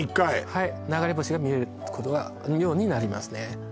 はい流れ星が見えるようになりますね